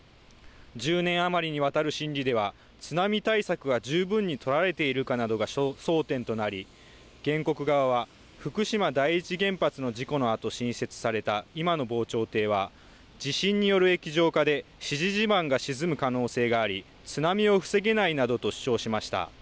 １０年余りにわたる審理では津波対策が十分に取られているかなどが争点となり原告側は福島第一原発の事故のあと新設された今の防潮堤は地震による液状化で支持地盤が沈む可能性があり津波を防げないなどと主張しました。